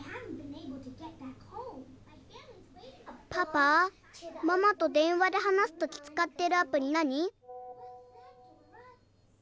パパママと電話で話すときつかってるアプリ何？